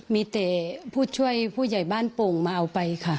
มีแต่ผู้ช่วยผู้ใหญ่บ้านโป่งมาเอาไปค่ะ